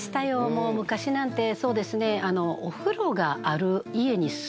もう昔なんてそうですね。